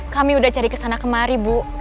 kami udah cari kesana kemari bu